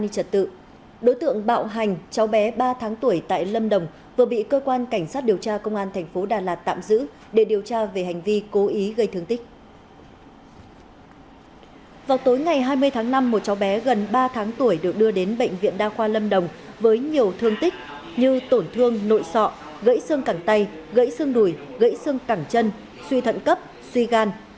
vào tối ngày hai mươi tháng năm một cháu bé gần ba tháng tuổi được đưa đến bệnh viện đa khoa lâm đồng với nhiều thương tích như tổn thương nội sọ gãy xương cẳng tay gãy xương đùi gãy xương cẳng chân suy thận cấp suy gan